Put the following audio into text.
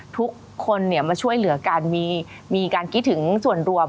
ทุกคนมาช่วยเหลือกันมีการคิดถึงส่วนรวม